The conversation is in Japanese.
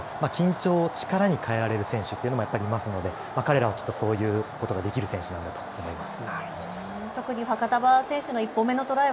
間違いなく緊張はすると思うんですけど緊張を力に変えられる選手というのもいますので彼らもきっとそういうことができる選手なんだと思います。